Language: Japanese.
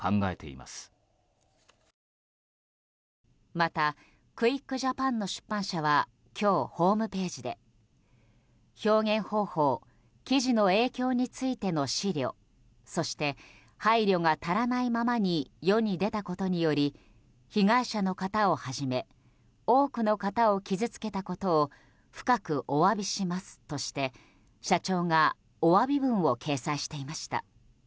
また「ＱｕｉｃｋＪａｐａｎ」の出版社は今日、ホームページで表現方法記事の影響についての思慮そして、配慮が足らないままに世に出たことにより被害者の方をはじめ多くの方を傷つけたことを深くお詫びしますとして、社長がお詫び文を掲載していました。